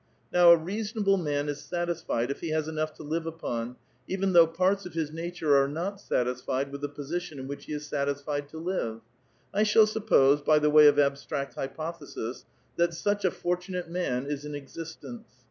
Now a reasonable man is satisfied if he ^3.3 enough to live upon, even though parts of his nature are iiot satisfied with the position in which he is satisfied to live. I shall suppose, by the way of abstract hypothesis, that such * fortunate man is in existence.